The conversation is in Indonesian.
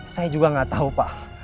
saya juga nggak tahu pak